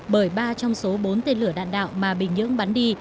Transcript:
bởi ba trong số bốn tên lửa đạn đạo mà bình nhưỡng bắn đi